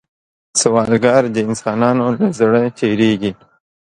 سوالګر د انسانانو له زړه تېرېږي